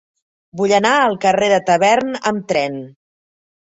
Vull anar al carrer de Tavern amb tren.